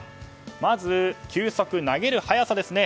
まず、球速投げる速さですね。